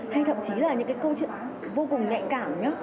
hay thậm chí là những cái câu chuyện vô cùng nhạy cảm